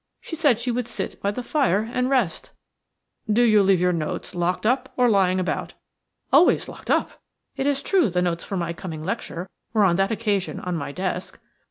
She said she would sit by the fire and rest." "Do you leave your notes locked up or lying about?" "Always locked up. It is true the notes for my coming lecture were on that occasion on my desk."